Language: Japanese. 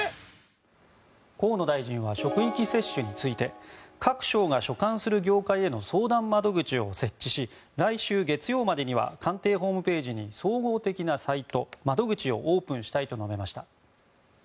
河野大臣は職域接種について各省が所管する業界への相談窓口を設置し来週月曜までには官邸ホームページに総合的なサイト、窓口をオープンしたいと述べました。